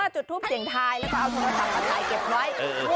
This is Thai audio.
จุดทูบเสียงทายแล้วก็เอาสมสัตว์ต่างกับไทยเก็บไว้